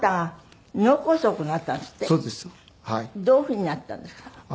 どういうふうになったんですか？